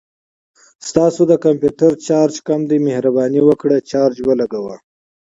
ستاسو د کمپوټر چارج کم دی، مهرباني وکړه چارج ولګوه